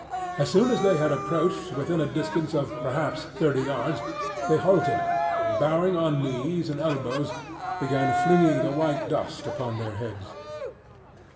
As soon as they had approached within a distance of perhaps thirty yards they halted, and bowing on knees and elbows began flinging the white dust upon their heads.